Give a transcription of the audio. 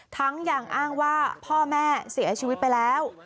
ทั้งอย่างอ้างว่าพ่อแม่เสียชีวิตไปแล้ว